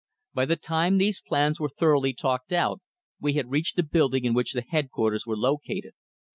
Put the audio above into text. By the time these plans were thoroughly talked out, we had reached the building in which the headquarters were located.